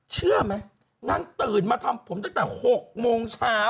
เชื่อไหมนางตื่นมาทำผมตั้งแต่๖โมงเช้า